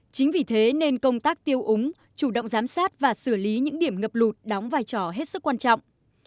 chính vì thế nên công tác tiêu úng chủ động giám sát và xử lý những điểm ngập lụt đóng vai trò hết sức quan trọng